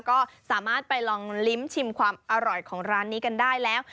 ก็สามารถไปลองลิ้มชิมความอร่อยของร้านนี้กันได้แล้ว